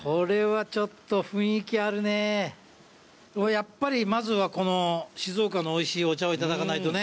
やっぱりまずはこの静岡のおいしいお茶をいただかないとね。